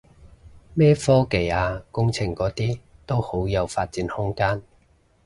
咩科技啊工程嗰啲都好有發展空間